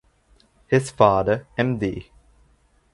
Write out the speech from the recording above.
His father Md.